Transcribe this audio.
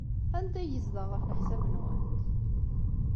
Anda ay yezdeɣ, ɣef leḥsab-nwent?